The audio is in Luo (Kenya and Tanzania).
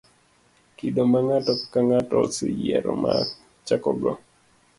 kido ma ng'ato ka ng'ato oseyiero mar chakogo.